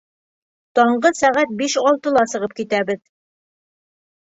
Таңғы сәғәт биш-алтыла сығып китәбеҙ.